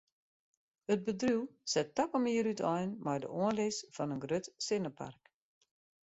It bedriuw set takom jier útein mei de oanlis fan in grut sinnepark.